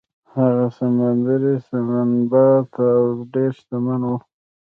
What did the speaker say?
هغه سمندري سنباد و او ډیر شتمن و.